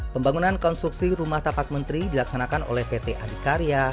pembangunan konstruksi rumah tapak menteri dilaksanakan oleh pt adikarya